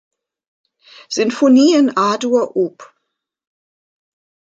Sinfonie in A-Dur op.